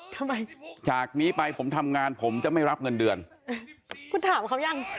ทำไมจากนี้ไปผมทำงานผมจะไม่รับเงินเดือนคุณถามเขายัง